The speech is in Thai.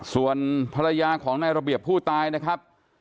สวัสดีค่ะ